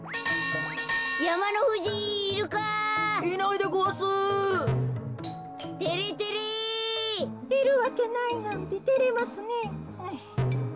いるわけないなんててれますねえ。